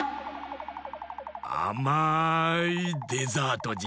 あまいデザートじゃ！